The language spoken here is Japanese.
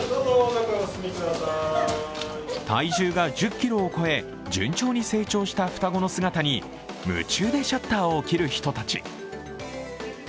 体重が１０ｋｇを超え順調に成長した双子の姿に夢中でシャッターを切る人たち。